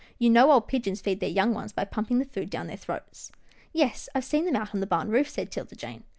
You know old pigeons feed their young ones by pumping the food down their throats." " Yes, I've seen them out on the barn roof," said 'Tilda Jane.